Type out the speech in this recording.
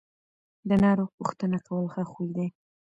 د ناروغ پوښتنه کول ښه خوی دی.